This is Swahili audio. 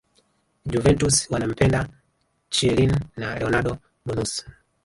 Juventus wanampenda Chielin na Leonardo Bonucci